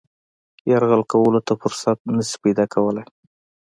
یرغل کولو ته فرصت نه شي پیدا کولای.